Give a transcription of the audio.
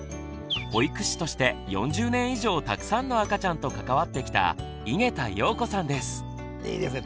保育士として４０年以上たくさんの赤ちゃんと関わってきたいいですね。